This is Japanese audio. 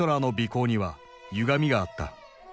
こうにはゆがみがあった。